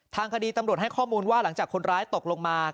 ทางคดีตำรวจให้ข้อมูลว่าหลังจากคนร้ายตกลงมา